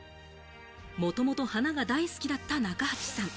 もともと花が大好きだった中鉢さん。